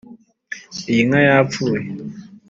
iyi nka yapfuye.